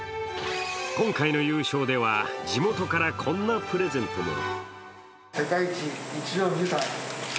今回の優勝では、地元からこんなプレゼントも。